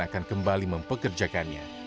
akan kembali mempekerjakan kerja